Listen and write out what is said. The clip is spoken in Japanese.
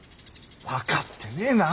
分かってねえな。